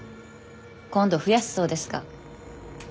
今度増やすそうですが。